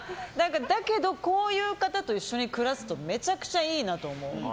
だけどこういう方と一緒に暮らすとめちゃくちゃいいなと思う。